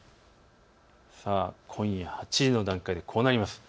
今夜８時の段階で、こうなります。